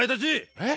えっ？